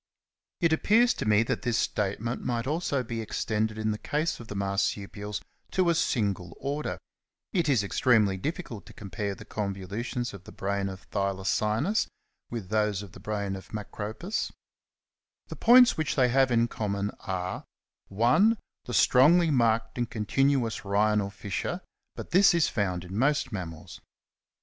It appears to me that this statement might also be extended in order ; it is extremely the case of the s to a single difiicult to compare the convolutions of the brain of Thylacinus with those of the brain of Macropus. The points which they have in common are: — (1) The strongly marked and continuous rhinal fissure ; but this is found in most mammals.